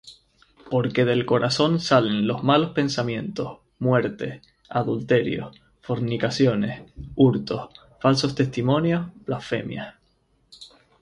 Porque del corazón salen los malos pensamientos, muertes, adulterios, fornicaciones, hurtos, falsos testimonios, blasfemias.